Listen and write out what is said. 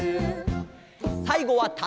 さいごはたいこ！